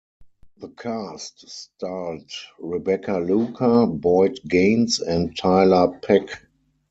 The cast starred Rebecca Luker, Boyd Gaines and Tiler Peck.